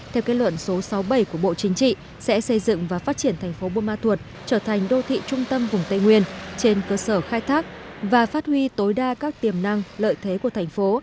theo kết luận số sáu bảy của bộ chính trị sẽ xây dựng và phát triển thành phố buôn ma thuột trở thành đô thị trung tâm vùng tây nguyên trên cơ sở khai thác và phát huy tối đa các tiềm năng lợi thế của thành phố